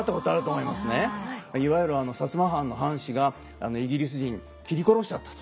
いわゆる摩藩の藩士がイギリス人斬り殺しちゃったと。